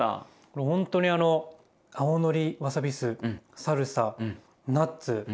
ほんとにあの青のりわさび酢サルサナッツ